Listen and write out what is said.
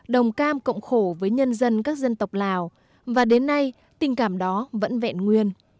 đồng cam cộng khổ với nhân dân các dân tộc lào và đến nay tình cảm đó vẫn vẹn nguyên